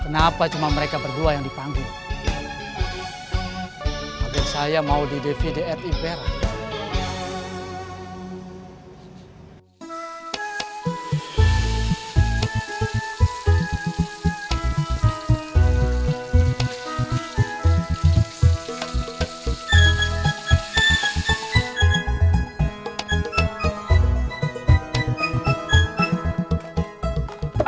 kenapa cuma mereka berdua yang dipanggil saya mau di dvd at ibera